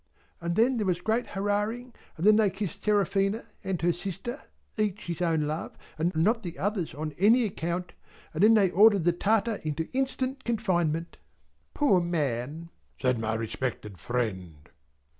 And then there was great hurrahing, and then they kissed Seraphina and her sister, each his own love, and not the other's on any account, and then they ordered the Tartar into instant confinement." "Poor man!" said my respected friend.